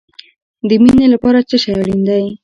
د مینې لپاره څه شی اړین دی؟